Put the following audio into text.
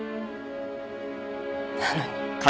なのに。